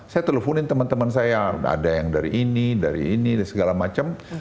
saya teleponin teman teman saya ada yang dari ini dari ini dari segala macam